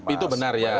itu benar ya